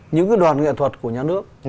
những cái đoàn nghệ thuật của nhà nước